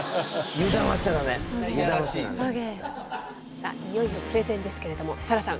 さあいよいよプレゼンですけれどもサラさん